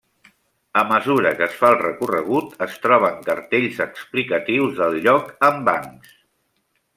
A mesura que es fa el recorregut es troben cartells explicatius del lloc amb bancs.